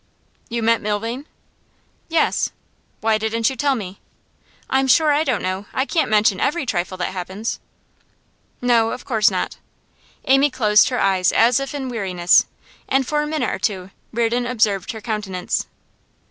'You met Milvain?' 'Yes.' 'Why didn't you tell me?' 'I'm sure I don't know. I can't mention every trifle that happens.' 'No, of course not.' Amy closed her eyes, as if in weariness, and for a minute or two Reardon observed her countenance.